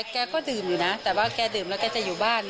แกก็ดื่มอยู่นะแต่ว่าแกดื่มแล้วแกจะอยู่บ้าน